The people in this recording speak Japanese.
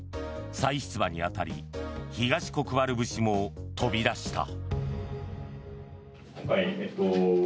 再出馬に当たり東国原節も飛び出した。